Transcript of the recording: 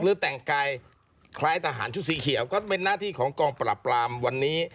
แต่งกายคล้ายทหารชุดสีเขียวก็เป็นหน้าที่ของกองปรับปรามวันนี้